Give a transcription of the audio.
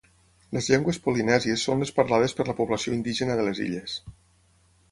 Les llengües polinèsies són les parlades per la població indígena de les illes.